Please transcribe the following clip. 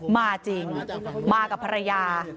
มาจริงมากับภรรยา